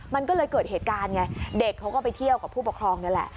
มันก็เลยเกิดเหตุการณ์ไงเด็กเขาก็ไปเที่ยวกับผู้ปกครองนี่แหละ